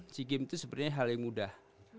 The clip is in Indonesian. si gim itu sebenarnya hal yang mudah